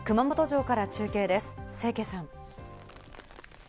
熊本城から中継です、清家さん。